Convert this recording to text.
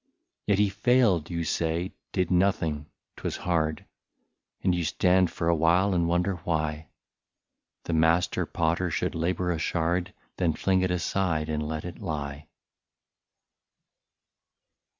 Yet he failed, you say, did nothing, — 't was hard ; And you stand for a while, and wonder why The Master Potter should labour a shard, Then fling it aside and let it lie.